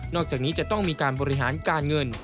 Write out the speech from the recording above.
อกจากนี้จะต้องมีการบริหารการเงิน